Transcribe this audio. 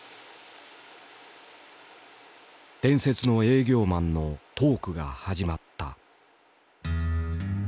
伝説の営業マンのトークが始まった。